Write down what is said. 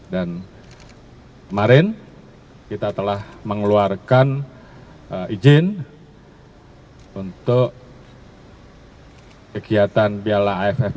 dan kemarin kita telah mengeluarkan izin untuk kegiatan bialla aff